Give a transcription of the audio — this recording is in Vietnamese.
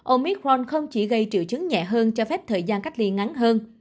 omicron không chỉ gây triệu chứng nhẹ hơn cho phép thời gian cách ly ngắn hơn